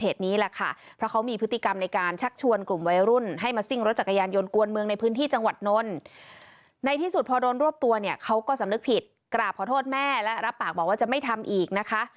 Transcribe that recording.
เพจนี้แหละค่ะเพราะเขามีพฤติกรรมในการชักชวนกลุ่มวัยรุ่นให้มาสิ้งรถจักรยานยนต์กวนเมืองในพื้นที่จังหวัดนนท์ในที่สุดพอโดนรวบตัวเนี่ยเขาก็สำนึกผิดกราบขอโทษแม่และรับปากบอกว่าจะไม่ทำอีกนะคะ